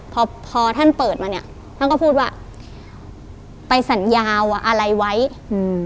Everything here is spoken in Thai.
พอพอท่านเปิดมาเนี้ยท่านก็พูดว่าไปสัญญาว่าอะไรไว้อืม